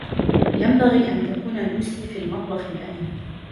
ينبغي أن تكون لوسي في المطبخ الآن.